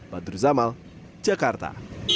badru zamal jakarta